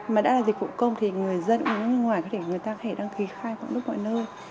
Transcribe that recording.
mà đã là dịch vụ công thì người dân cũng như ngoài có thể đăng ký khai quản lý mọi nơi